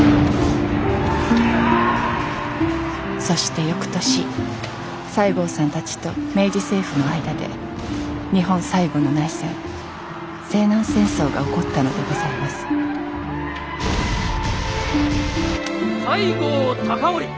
そして翌年西郷さんたちと明治政府の間で日本最後の内戦西南戦争が起こったのでございます西郷隆盛